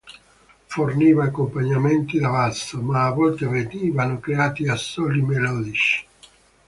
Forniva accompagnamenti da basso, ma a volte venivano creati assoli melodici.